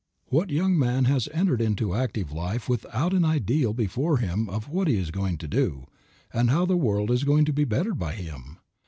What young man has entered into active life without an ideal before him of what he is going to do, and how the world is going to be bettered by him?